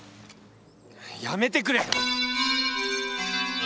やめてくれ。